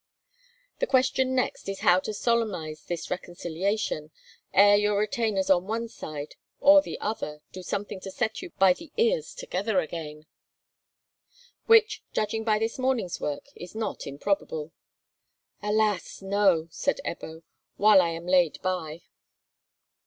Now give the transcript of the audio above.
The question next is how to solemnize this reconciliation, ere your retainers on one side or the other do something to set you by the ears together again, which, judging by this morning's work, is not improbable." "Alas! no," said Ebbo, "while I am laid by."